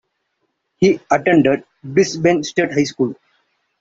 He attended Brisbane State High School.